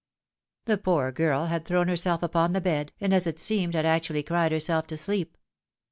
The poor girl had thrown herself upon the bed, and, as it seemed, had actually cried herself to sleep.